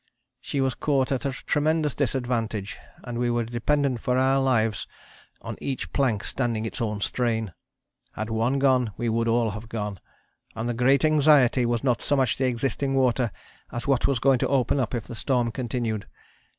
She was caught at a tremendous disadvantage and we were dependent for our lives on each plank standing its own strain. Had one gone we would all have gone, and the great anxiety was not so much the existing water as what was going to open up if the storm continued.